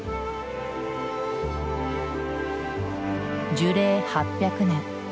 樹齢８００年。